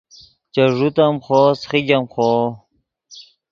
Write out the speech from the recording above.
چے ݱوت ام خوو سیخیګ ام خوو